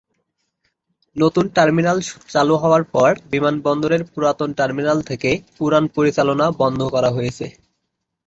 নতুন টার্মিনাল চালু হওয়ার পর বিমানবন্দরের পুরাতন টার্মিনাল থেকে উড়ান পরিচালনা বন্ধ করা হয়েছে।